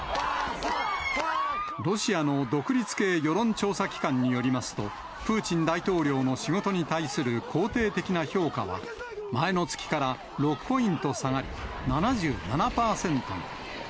ロシアの独立系世論調査機関によりますと、プーチン大統領の仕事に対する肯定的な評価は、前の月から６ポイント下がり、７７％に。